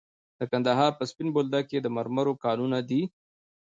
د کندهار په سپین بولدک کې د مرمرو کانونه دي.